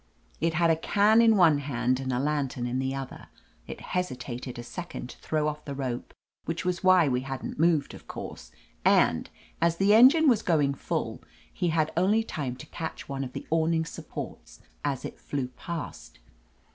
It had a can in one hand I and a lantern in the other. It hesitated a second to throw off the rope, which was why we hadn't moved, of course, and, as the engine was going full, he had only time to catch one of the awning supports as it flew past.